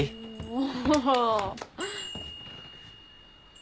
お！